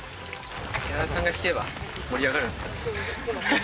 寺田さんが引けば盛り上がるんですよ。